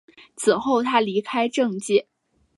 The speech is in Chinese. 此后他离开政界。